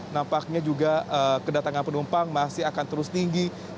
nampaknya juga kedatangan penumpang masih akan terus tinggi